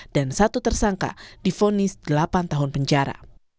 dan satu tersangka difonis delapan tahun penjara